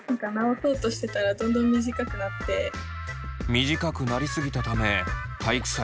短くなり過ぎたため体育祭